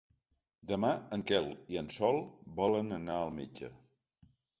Demà en Quel i en Sol volen anar al metge.